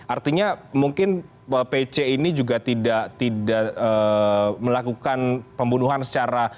artinya mungkin pc ini juga tidak melakukan pembunuhan secara